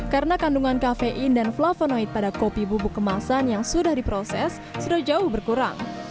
karena kandungan kafein dan flavonoid pada kopi bubuk kemasan yang sudah diproses sudah jauh berkurang